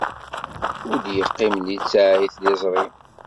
Ur d-yeqqim littseɛ i tliẓri.